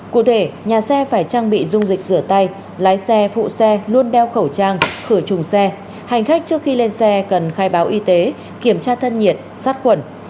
cụ thể nhà xe phải trang bị dung dịch rửa tay lái xe phụ xe luôn đeo khẩu trang khử trùng xe hành khách trước khi lên xe cần khai báo y tế kiểm tra thân nhiệt sát khuẩn